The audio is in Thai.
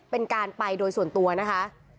เป็นการไปโดยส่วนตัวนะคะ